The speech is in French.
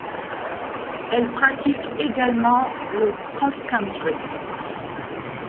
Elle pratique également le cross-country.